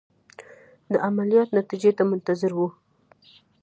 د عملیات نتیجې ته منتظر وو.